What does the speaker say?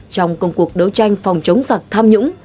trong công cuộc đấu tranh phòng chống sạc tham nhũng